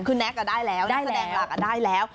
คือนาฆได้แล้วนักแสดงนักก็ได้แล้ว